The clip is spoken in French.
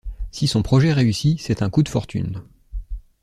Si son projet réussit, c’est un coup de fortune!